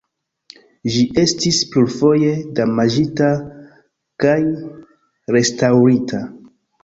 Ĝi estis plurfoje damaĝita kaj restaŭrita.